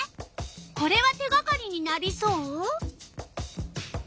これは手がかりになりそう？